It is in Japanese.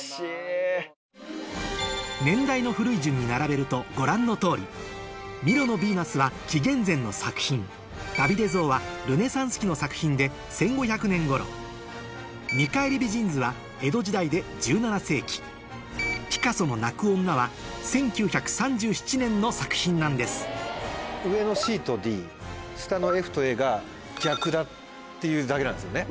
年代の古い順に並べるとご覧の通り「ミロのヴィーナス」は紀元前の作品「ダビデ像」はルネサンス期の作品で１５００年ごろ「見返り美人図」は江戸時代で１７世紀ピカソの「泣く女」は１９３７年の作品なんです上のＣとＤ下のＦとＡが逆だっていうだけなんですよね。